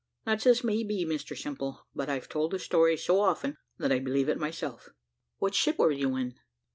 "That's as may be, Mr Simple; but I've told the story so often, that believe it myself." "What ship were you in?"